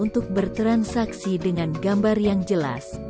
untuk bertransaksi dengan gambar yang jelas